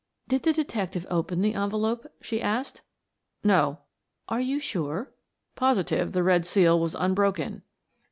"Did the detective open the envelope" she asked. "No." "Are you sure?" "Positive; the red seal was unbroken."